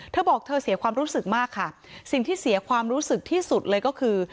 เธอบอกเธอเสียความรู้สึกมากค่ะสิ่งที่เสียความรู้สึกที่สุดเลยก็คือ